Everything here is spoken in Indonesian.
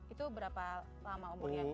itu berapa lama umurnya